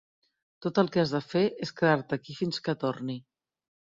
Tot el que has de fer és quedar-te aquí fins que torni.